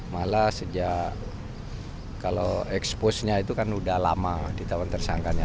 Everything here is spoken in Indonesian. malah sejak kalau expose nya itu kan sudah lama di tahun tersangkanya